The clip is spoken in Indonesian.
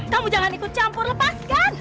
kamu jangan ikut campur lepaskan